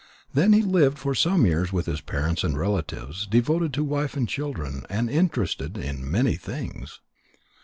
Then he lived for some years with his parents and his relatives, devoted to wife and children, and interested in many things.